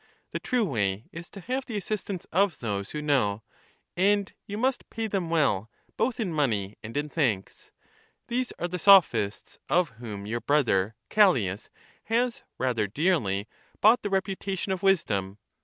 The true way is to have the assistance of those who know, and you must pay them well both in money and in thanks ; these are the Sophists, of whom your brother, Callias, has — rather dearly — bought the reputation of wis dom.